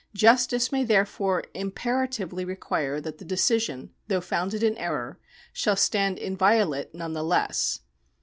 Justice may therefore impera tively require that the decision, though founded in error, shall stand inviolate none the less.